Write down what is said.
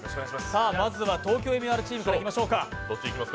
まずは「ＴＯＫＹＯＭＥＲ」チームからいきましょうか。